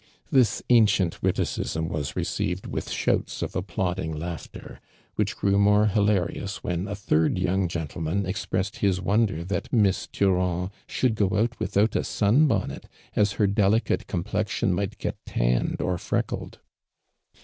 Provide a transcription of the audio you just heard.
This ancient witticism was receivetl witii shouts of applauding laughter, which grew more hilarious, when a third young gentle man expressed his wonder that .V/'.v.v Durand should go out without a stui boimet, as her delicjite complexion might get tanned or freckled.